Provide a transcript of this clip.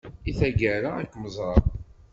I taggara ad kem-ẓreɣ.